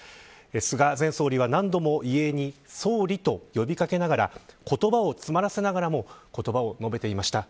菅前総理は何度も遺影に総理と呼び掛けながら言葉を詰まらせながらも言葉を述べていました。